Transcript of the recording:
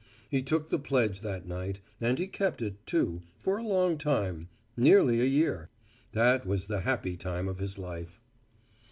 He took the pledge that night, and he kept it, too, for a long time, nearly a year. That was the happy time of his life.